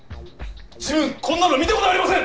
自分こんなの見たことありません！